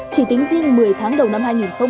chỉ tính riêng một mươi tháng đầu năm hai nghìn hai mươi